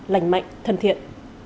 lành mạnh thân thiện